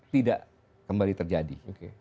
tidak kembali terjadi